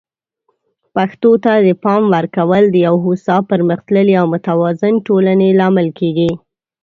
پښتو ته د پام ورکول د یو هوسا، پرمختللي او متوازن ټولنې لامل کیږي.